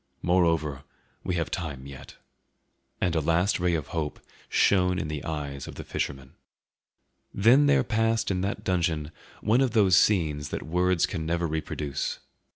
Moreover, we have time yet." And a last ray of hope shone in the eyes of the fisherman. Then there passed in that dungeon one of those scenes that words can never reproduce.